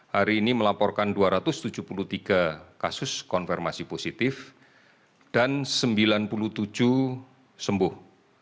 hari ini melaporkan dua ratus tujuh puluh tiga kasus konfirmasi positif dan sembilan puluh tujuh sembuh